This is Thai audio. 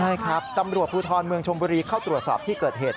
ใช่ครับตำรวจภูทรเมืองชมบุรีเข้าตรวจสอบที่เกิดเหตุ